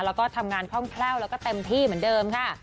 แล้วก็ทำงานคล่องแคล่วแล้วก็เต็มที่เหมือนเดิมค่ะ